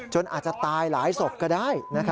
อาจจะตายหลายศพก็ได้